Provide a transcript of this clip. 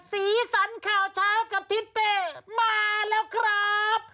สีสันข่าวเช้ากับทิศเป้มาแล้วครับ